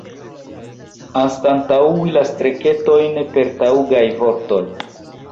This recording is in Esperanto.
Anstataŭi la streketojn per taŭgaj vortoj.